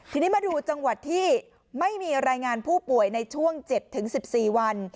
ทีนี้มาดูจังหวัดที่ไม่มีรายงานผู้ป่วยในช่วง๗๑๔วัน